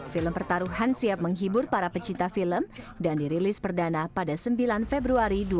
film pertaruhan siap menghibur para pecinta film dan dirilis perdana pada sembilan februari dua ribu dua puluh